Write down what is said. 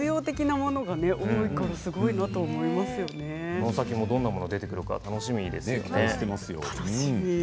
この先どんなものが出てくるか楽しみですね。